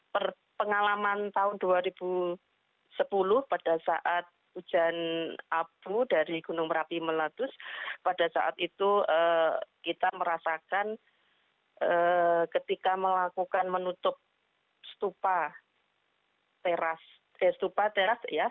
jadi pengalaman tahun dua ribu sepuluh pada saat hujan abu dari gunung merapi melatus pada saat itu kita merasakan ketika melakukan menutup stupa teras